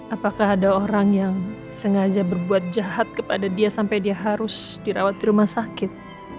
apakah ada orang yang sengaja berbuat jahat kepada dia sampai dia harus dirawat di rumah sakit